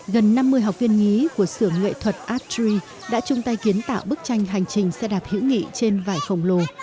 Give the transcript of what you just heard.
gần năm mươi học viên nghí của sửa nguyện thuật art tree đã chung tay kiến tạo bức tranh hành trình xe đạp hữu nghị trên vải khổng lồ